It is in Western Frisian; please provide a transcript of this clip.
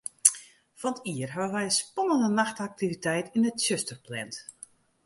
Fan 't jier hawwe wy in spannende nachtaktiviteit yn it tsjuster pland.